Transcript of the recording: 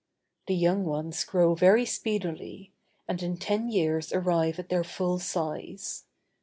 The young ones grow very speedily, and in ten years arrive at their full size.